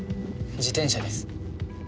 自転車です。